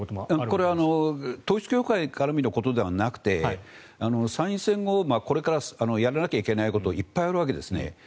これは統一教会絡みのことではなくて参院選後これからやらなきゃいけないこといっぱいあるわけですね。